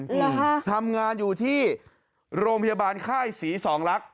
เหรอฮะทำงานอยู่ที่โรงพยาบาลค่ายศรีสองรักษ